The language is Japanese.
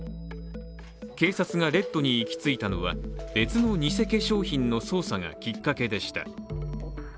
警察がＲＥＤに行き着いたのは別の偽化粧品の捜査がきっかけでした。